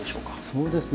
そうですね